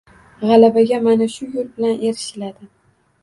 G’alabaga mana shu yo’l bilan erishiladi!